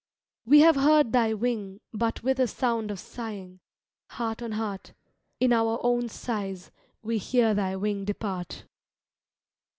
We have heard thy wing But with a sound of sighing; heart on heart. In our own sighs we hear thy wing dq)art.